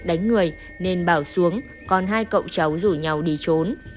đánh người nên bảo xuống còn hai cậu cháu rủ nhau đi trốn